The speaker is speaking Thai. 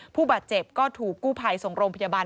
ผู้บาดเจ็บก็ถูกกู้ภัยส่งโรงพยาบาล